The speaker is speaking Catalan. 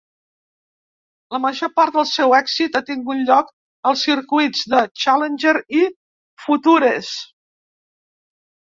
La major part del seu èxit ha tingut lloc als circuits de Challenger i Futures.